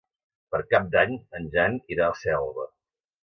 Per Cap d'Any en Jan irà a Selva.